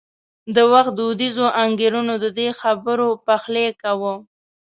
د وخت دودیزو انګېرنو د دې خبرو پخلی کاوه.